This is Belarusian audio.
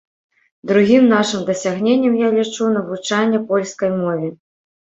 Другім нашым дасягненнем я лічу навучанне польскай мове.